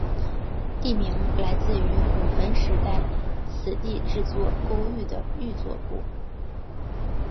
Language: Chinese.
地名来自于古坟时代此地制作勾玉的玉作部。